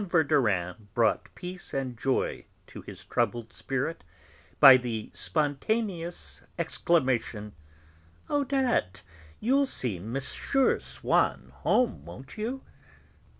Verdurin brought peace and joy to his troubled spirit by the spontaneous exclamation: "Odette! You'll see M. Swann home, won't you?"